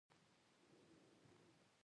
د ژمي یخې څپې د توتانو پاڼې پر ځمکه راغورځوي.